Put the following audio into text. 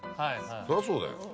そりゃそうだよ